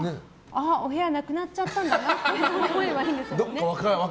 お部屋なくなっちゃったんだなって思えばいいんですもんね。